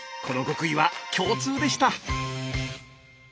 この極意は共通でした。